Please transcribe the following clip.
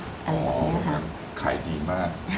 อ๋อเหมือนไข่ดีมาก